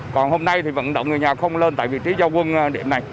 còn hôm nay thì vận động người nhà không lên tại vị trí giao quân điểm này